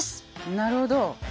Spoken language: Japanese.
なるほど。